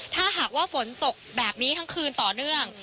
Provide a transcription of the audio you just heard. ถ้าหากว่าฝนตกแบบนี้ทั้งคืนต่อเนื่อง